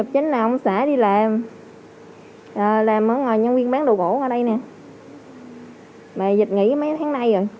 cảm thấy rất mừng